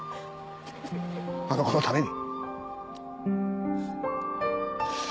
あの子のために！